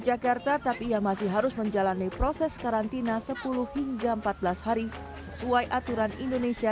jakarta tapi ia masih harus menjalani proses karantina sepuluh hingga empat belas hari sesuai aturan indonesia